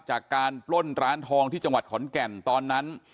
จากการปล้นร้านทองที่จังหวัดขอนแก่นตอนนั้น